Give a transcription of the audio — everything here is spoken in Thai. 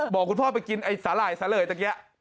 บอกคุณพ่อไปกินไอ้สาหร่าไอ้สาเหร่ตะเกี๊ย